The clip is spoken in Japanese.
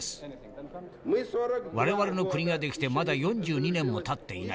我々の国が出来てまだ４２年もたっていない。